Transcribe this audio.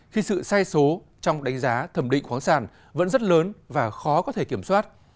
khi sự sai số trong đánh giá thẩm định khoáng sản vẫn rất lớn và khó có thể kiểm soát